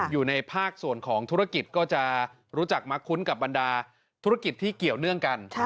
อยู่ในภาคส่วนของธุรกิจก็จะรู้จักมักคุ้นกับบรรดาธุรกิจที่เกี่ยวเนื่องกัน